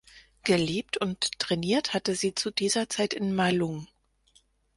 Gelebt und trainiert hatte sie zu dieser Zeit in Malung.